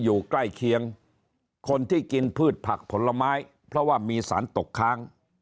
อยู่ใกล้เคียงคนที่กินพืชผักผลไม้เพราะว่ามีสารตกค้าง